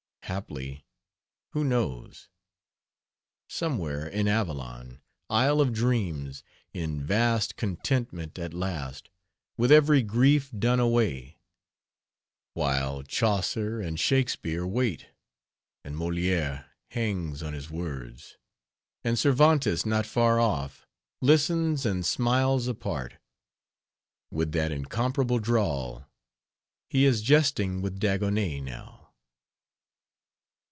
Haply who knows? somewhere In Avalon, Isle of Dreams, In vast contentment at last, With every grief done away, While Chaucer and Shakespeare wait, And Moliere hangs on his words, And Cervantes not far off Listens and smiles apart, With that incomparable drawl He is jesting with Dagonet now.